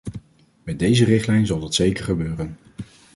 Met deze richtlijn zal dat zeker gebeuren.